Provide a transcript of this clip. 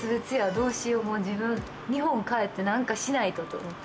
どうしよう、もう自分日本帰って、なんかしないと」と思って。